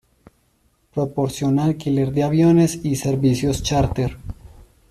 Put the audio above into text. Proporciona alquiler de aviones y servicios charter.